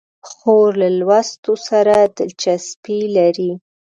خور له لوستو سره دلچسپي لري.